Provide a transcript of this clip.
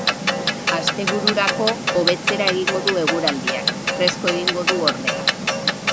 Astebururako, hobetzera egingo du eguraldiak, fresko egingo du, ordea.